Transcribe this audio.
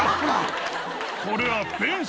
これは。